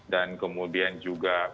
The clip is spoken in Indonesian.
dan kemudian juga